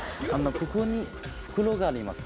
ここに袋があります。